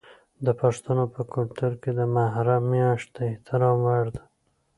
د پښتنو په کلتور کې د محرم میاشت د احترام وړ ده.